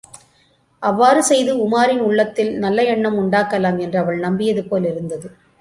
அவ்வாறு செய்து உமாரின் உள்ளத்தில் நல்லஎண்ணம் உண்டாக்கலாம் என்று அவள் நம்பியது போல் இருந்தது.